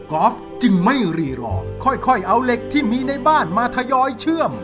อล์ฟจึงไม่รีรอค่อยเอาเหล็กที่มีในบ้านมาทยอยเชื่อม